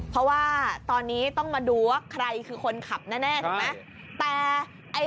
เพราะว่าตอนนี้ต้องมาดูว่าใครคือคนขับแน่ถูกไหม